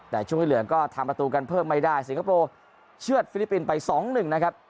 แต่ช่วงที่เหลือก็ทำประตูกันเพิ่มไม่ได้สิงคโปร์เชื่อดฟิลิปปินส์ไป๒๑นะครับ